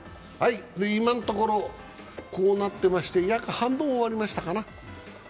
今のところ、こうなっていまして、約半分終わりましたかね。